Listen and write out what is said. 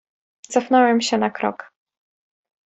"Cofnąłem się na krok."